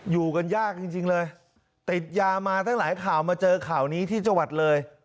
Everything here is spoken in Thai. อยู่กันยากจริงเลยติดยามาตั้งหลายข่าวมาเจอข่าวนี้ที่จังหวัดเลย